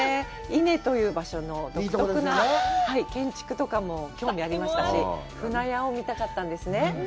伊根という場所の独特な建築とかも興味がありましたし、見たかったんですよね。